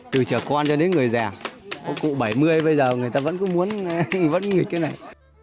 từ trở con cho đến người già cụ bảy mươi bây giờ người ta vẫn muốn nghịch cái này